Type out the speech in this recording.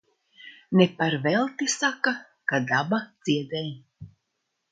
Ne par velti saka, ka daba dziedē.